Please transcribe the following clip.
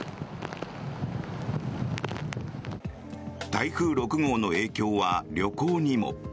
台風６号の影響は旅行にも。